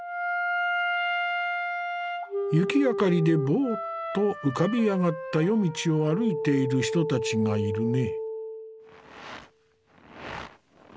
雪明かりでぼうっと浮かび上がった夜道を歩いている人たちがいるね。